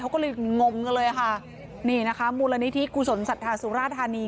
เขาก็เลยงมกันเลยค่ะนี่นะคะมูลนิธิกุศลศรัทธาสุราธานี